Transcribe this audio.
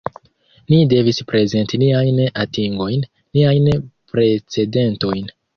Ni devis prezenti niajn atingojn, niajn precedentojn.